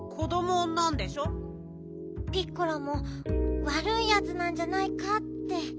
ピッコラもわるいやつなんじゃないかって。